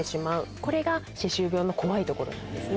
これが歯周病の怖いところなんですね。